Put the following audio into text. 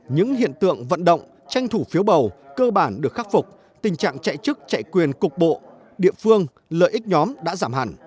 những hiện tượng vận động tranh thủ phiếu bầu cơ bản được khắc phục tình trạng chạy chức chạy quyền cục bộ địa phương lợi ích nhóm đã giảm hẳn